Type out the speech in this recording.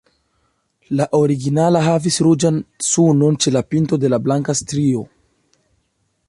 La originala havis ruĝan sunon ĉe la pinto de la blanka strio.